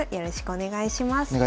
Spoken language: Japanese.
お願いします。